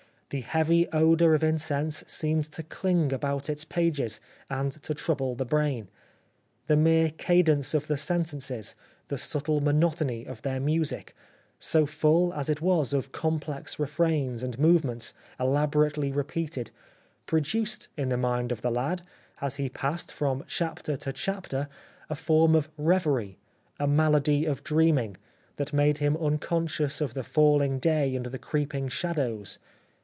The heavy odour of incense seemed to chng about its pages, and to trouble the brain. The mere cadence of the sentences, the subtle monotony of their music, so full as it was of complex refrains, and move ments, elaborately repeated, produced in the mind of the lad, as he passed from chapter to chapter, a form of reverie, a malady of dreaming, that made him unconscious of the falling day and the creeping shadows.